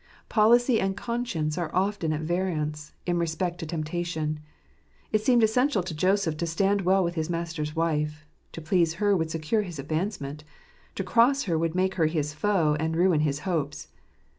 Policy and conscience a? e often at variance in respect to j temptation. It seemed essential to Joseph to stand well J with his master's wife. To please her would secure his j advancement. To cross her would make her his foe, and ^ ruin his hopes.